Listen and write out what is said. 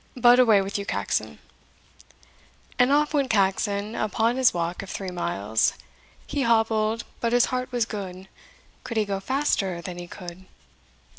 But away with you, Caxon!" And off went Caxon upon his walk of three miles He hobbled but his heart was good! Could he go faster than he could?